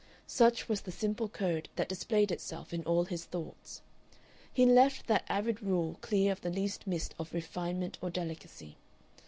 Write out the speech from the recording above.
Such was the simple code that displayed itself in all his thoughts. He left that arid rule clear of the least mist of refinement or delicacy.